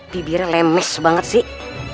bibirnya lemes banget sih